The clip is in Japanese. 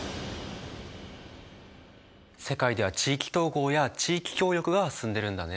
世界では地域統合や地域協力が進んでるんだね。